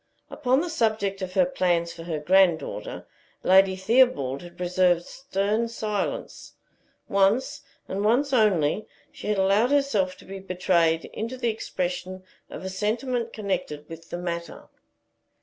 Upon the subject of her plans for her granddaughter, Lady Theobald had preserved stern silence. Once, and once only, she had allowed herself to be betrayed into the expression of a sentiment connected with the matter.